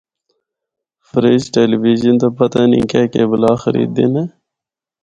فریج، ٹیلی ویژن تے پتہ نینھ کے کے بلا خریدّے نے۔